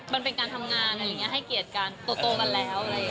มันเป็นการทำงานอย่างงี้ให้เกียรติการโตมาแล้ว